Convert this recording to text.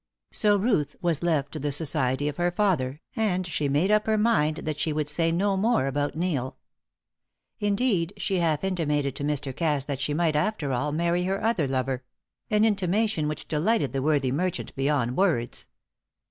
So Ruth was left to the society of her father, and she made up her mind that she would say no more about Neil. Indeed, she half intimated to Mr. Cass that she might, after all, marry her other lover an intimation which delighted the worthy merchant beyond words.